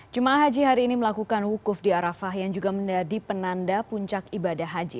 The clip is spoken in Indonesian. jemaah haji hari ini melakukan wukuf di arafah yang juga menjadi penanda puncak ibadah haji